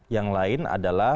yang lain adalah